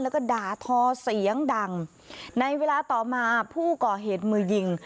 แล้วก็ด่าทอเสียงดังในเวลาต่อมาผู้ก่อเหตุมือยิง